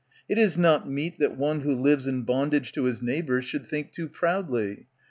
It is not meet That one who lives in bondage to his neighbours Should think too proudly.